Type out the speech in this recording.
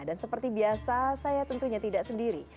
dan seperti biasa saya tentunya tidak sendiri